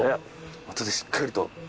あとでしっかりと。